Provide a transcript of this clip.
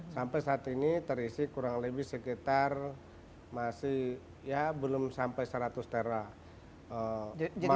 sampai saat ini terisi kurang lebih sekitar masih ya belum sampai seratus teror